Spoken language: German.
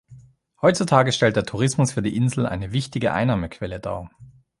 Heutzutage stellt der Tourismus für die Insel eine wichtige Einnahmequelle dar.